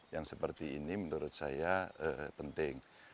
yang seperti ini menurut saya penting